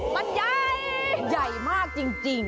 มันใหญ่ใหญ่มากจริง